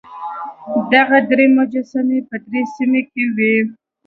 دغه درې مجسمې په دې سیمه کې وې.